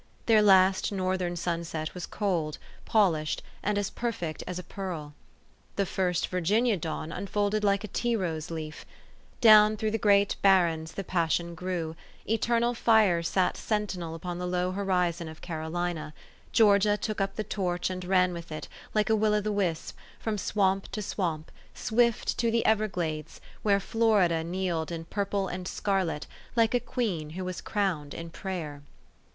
Their last Northern sunset was cold, polished, and perfect as a pearl. The first Virginia dawn unfolded like a tea rose leaf. THE STORY OF AVIS. 395 Down through the great barrens the passion grew : eternal fire sat sentinel upon the low horizon of Caro lina ; Georgia took up the torch, and ran with it, like a will o' the wisp, from swamp to swamp, swift to the everglades, where Florida kneeled in purple and scarlet, like a queen who was crowned in prayer.